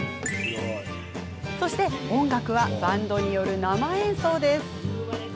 そして音楽はバンドによる生演奏。